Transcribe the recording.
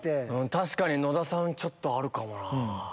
確かに野田さんちょっとあるかもなぁ。